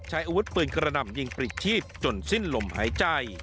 ใช้อาวุธปืนกระหน่ำยิงปลิดชีพจนสิ้นลมหายใจ